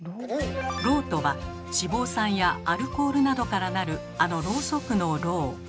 「ろう」とは脂肪酸やアルコールなどから成るあのろうそくの「ろう」。